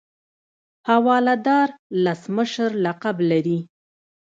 حواله دار لس مشر لقب لري.